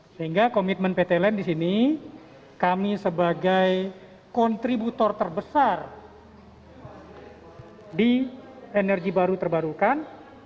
sehingga komitmen pt line di sini kami sebagai kontributor terbesar di energi baru terbarukan